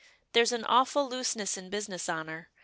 There's an awful looseness in business honour.